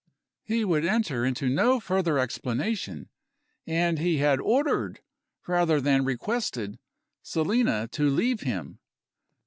He would enter into no further explanation; and he had ordered, rather than requested, Selina to leave him.